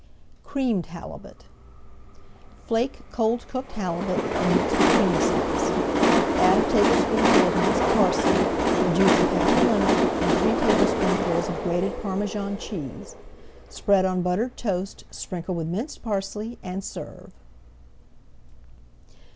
CREAMED HALIBUT Flake cold cooked halibut and mix with Cream Sauce. Add a tablespoonful of minced parsley, the juice of half a lemon, and three tablespoonfuls of grated Parmesan cheese. Spread on buttered toast, sprinkle with minced parsley and serve.